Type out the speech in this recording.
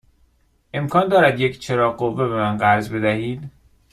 امکان دارد یک چراغ قوه به من قرض بدهید؟